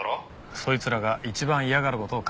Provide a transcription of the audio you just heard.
そいつらが一番嫌がる事を考えろ。